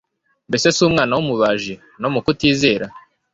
Mbese si umwana w'umubaji? no mu kutizera.